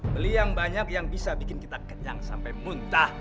beli yang banyak yang bisa bikin kita kenyang sampai muntah